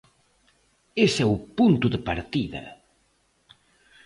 Ese é o punto de partida.